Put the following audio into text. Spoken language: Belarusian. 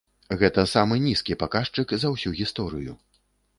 Гэта самы нізкі паказчык за ўсю гісторыю.